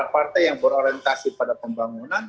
partai yang berorientasi pada pembangunan